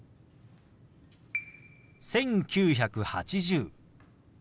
「１９８０」。